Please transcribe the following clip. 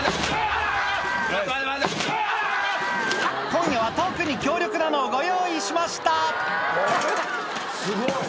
今夜は特に強力なのをご用意しましたすごい。